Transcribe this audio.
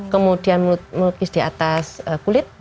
kemudian melukis di atas kulit